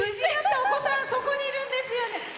お子さんそこにいるんですよね。